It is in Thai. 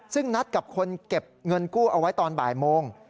ซึ่งนัดกับคนเก็บเงินกู้เอาไว้ตอนบ่ายโมง